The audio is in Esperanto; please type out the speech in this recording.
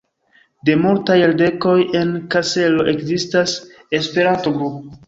De multaj jardekoj en Kaselo ekzistas Esperanto-grupo.